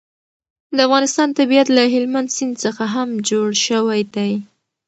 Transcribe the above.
د افغانستان طبیعت له هلمند سیند څخه هم جوړ شوی دی.